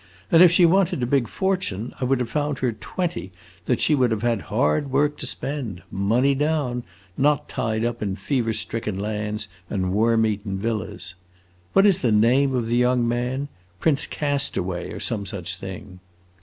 And if she wanted a big fortune, I would have found her twenty that she would have had hard work to spend: money down not tied up in fever stricken lands and worm eaten villas! What is the name of the young man? Prince Castaway, or some such thing!"